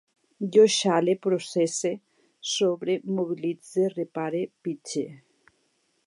Jo xale, processe, sobre, mobilitze, repare, pitge